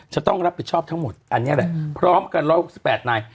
จะต้องรับผิดชอบทั้งหมดอันนี้แหละพร้อมกัน๑๖๘นาย